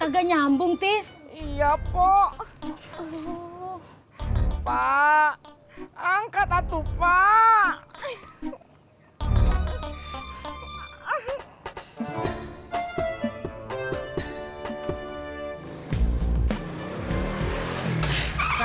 enggak nyambung tes iya pok pak angkat atuh pak